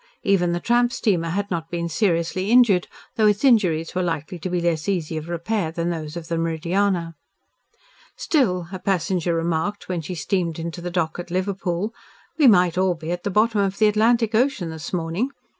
Even the tramp steamer had not been seriously injured, though its injuries were likely to be less easy of repair than those of the Meridiana. "Still," as a passenger remarked, when she steamed into the dock at Liverpool, "we might all be at the bottom of the Atlantic Ocean this morning.